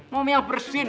momi yang bersin